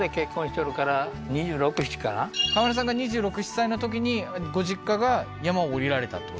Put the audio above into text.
それで河村さんが２６２７歳のときにご実家が山を下りられたってことですか？